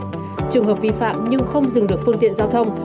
trường hợp vi phạm nhưng không dừng được phương tiện giao thông